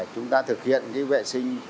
chúng ta thực hiện cái vệ sinh